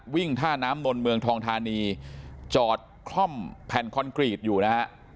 ท่าน้ำนนเมืองทองธานีจอดคล่อมแผ่นคอนกรีตอยู่นะฮะ